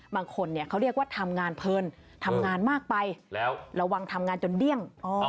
บางคนเขาเรียกว่าทำงานเพลินทำงานมากไประวังทำงานจนเดี้ยง